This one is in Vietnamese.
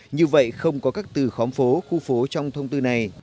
như vậy không có các từ khóm phố khu phố trong thông tư này